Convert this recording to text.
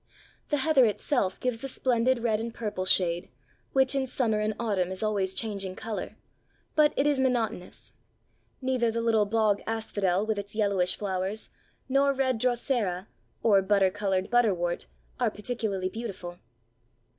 The heather itself gives a splendid red and purple shade, which in summer and autumn is always changing colour, but it is monotonous. Neither the little Bog Asphodel with its yellowish flowers, nor red Drosera, or butter coloured Butterwort, are particularly beautiful.